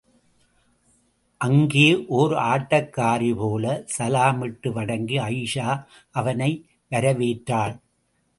அங்கே, ஓர் ஆட்டக்காரிபோல சலாமிட்டு வணங்கி அயீஷா அவனை வரவேற்றாள்.